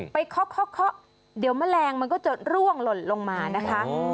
เคาะเดี๋ยวแมลงมันก็จะร่วงหล่นลงมานะคะ